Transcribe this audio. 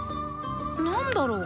何だろう？